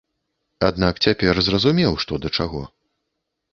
Аднак цяпер зразумеў што да чаго.